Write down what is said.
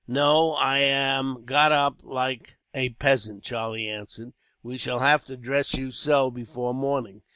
"No, I am got up like a peasant," Charlie answered. "We shall have to dress you so, before morning.